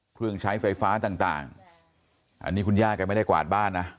เครื่องใช้ไฟฟ้าต่างอันนี้คุณย่าแกไม่ได้กวาดบ้านนะ